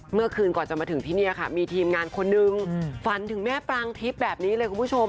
เมื่อคืนก่อนจะมาถึงที่นี่ค่ะมีทีมงานคนนึงฝันถึงแม่ปรางทิพย์แบบนี้เลยคุณผู้ชม